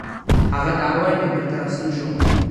هغه دا وويل او بېرته راستون شو.